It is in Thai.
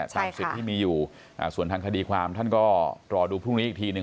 สิทธิ์ที่มีอยู่ส่วนทางคดีความท่านก็รอดูพรุ่งนี้อีกทีหนึ่ง